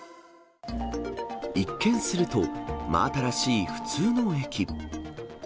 一見すると、真新しい普通の駅。